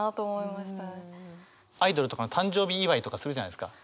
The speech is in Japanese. アイドルとかの誕生日祝いとかするじゃないですか。